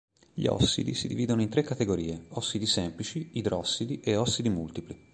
Gli ossidi si dividono in tre categorie: ossidi semplici, idrossidi e ossidi multipli.